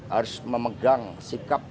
harus memegang sikap